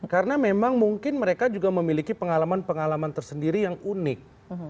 karena memang mungkin mereka juga memiliki pengalaman pengalaman tersendiri yang unik